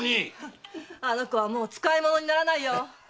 あの子はもう使いものにならないよ！